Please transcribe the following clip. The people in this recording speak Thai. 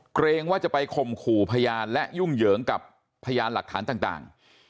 เกรงว่าจะไปข่มขู่พยานและยุ่งเหยิงกับพยานหลักฐานต่าง